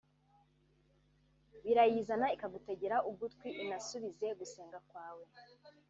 birayizana ikagutegera ugutwi inasubize gusenga kwawe